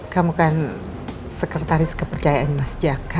kamu kan sekretaris kepercayaan mas jaka